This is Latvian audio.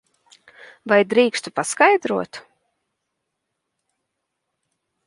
Vai drīkstu paskaidrot?